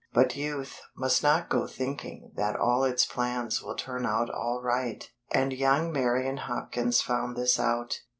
But Youth must not go thinking that all its plans will turn out all right; and young Marian Hopkins found this out.